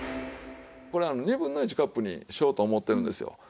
これ２分の１カップにしようと思ってるんですよ。